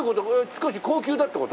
少し高級だって事？